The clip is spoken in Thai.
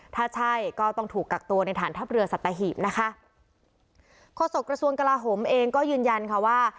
ถ้าใช่ก็ต้องถูกกักตัวในฐานทัพเรือสัตหีบนะคะโฆษกระทรวงกลาโหมเองก็ยืนยันค่ะว่า